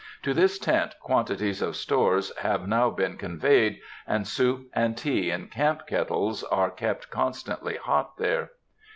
To this tent quantities of stores have now been conveyed, and soup and tea in camp kettles are kept constantly hot there.